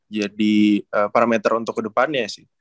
jadi parameter untuk kedepannya